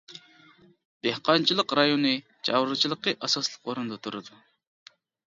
دېھقانچىلىق رايونى چارۋىچىلىقى ئاساسلىق ئورۇندا تۇرىدۇ.